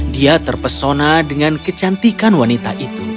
dia terpesona dengan kecantikan wanita itu